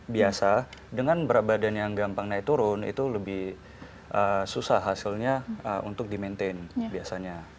biasa dengan berat badan yang gampang naik turun itu lebih susah hasilnya untuk di maintain biasanya